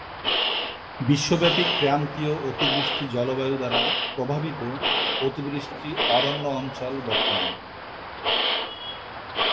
বিশ্বব্যাপী ক্রান্তীয় অতিবৃষ্টি জলবায়ু দ্বারা প্রভাবিত অতিবৃষ্টি অরণ্য অঞ্চল বর্তমান।